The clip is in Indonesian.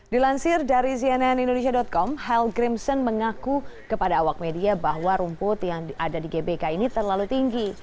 dilansir dari cnn indonesia com hall grimson mengaku kepada awak media bahwa rumput yang ada di gbk ini terlalu tinggi